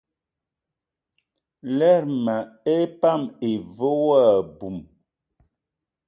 Lerma epan ive wo aboum.